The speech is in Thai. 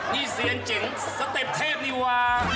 นี่เซียนเจ๋งสเต็ปเทพนี่ว่า